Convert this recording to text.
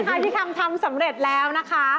พี่คำทำสำเร็จแล้วนะคะ